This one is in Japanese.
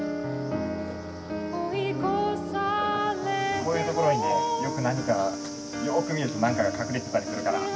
こういう所にねよく何かよく見ると何かが隠れてたりするから。